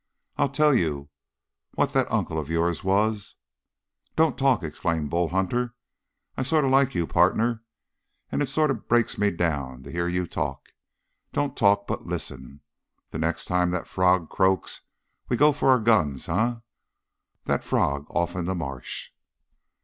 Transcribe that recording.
I'll tell you what that uncle of yours was " "Don't talk!" exclaimed Bull Hunter. "I sort of like you, partner, and it sort of breaks me down to hear you talk. Don't talk, but listen. The next time that frog croaks we go for our guns, eh? That frog off in the marsh!"